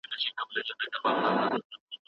د داستاني ادبیاتو راتلونکی روښانه دئ.